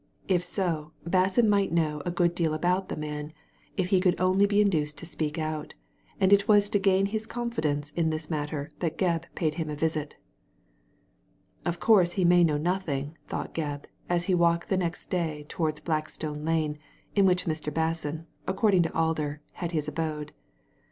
If so, Basson might know a good deal about the man, if he could only be induced to speak out, and it was to gain his confidence in this matter that Gebb paid him a visit * Of course he may know nothing/' thought Gebb, as he walked the next day towards Blackstone Lane, in which Mr, Basson — according to Alder — had his abode.